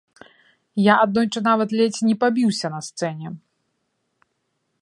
Я аднойчы нават ледзь не пабіўся на сцэне!